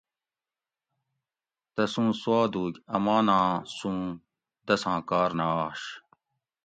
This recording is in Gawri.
تسوں سُوادوگ اماناں سُوں دساں کار نہ آش